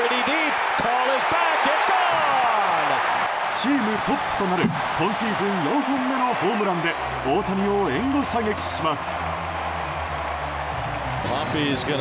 チームトップとなる今シーズン４本目のホームランで大谷を援護射撃します。